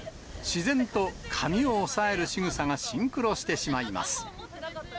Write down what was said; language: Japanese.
自然と髪を押さえるしぐさがシンクロしてしまいます。